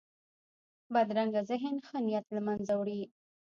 بدرنګه ذهن ښه نیت له منځه وړي